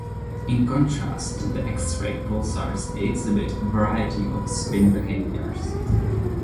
In contrast, the X-ray pulsars exhibit a variety of spin behaviors.